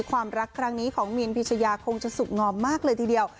ความรักครั้งนี้ของมินพิชยาคงจะสุขงอมมากเลยทีเดียว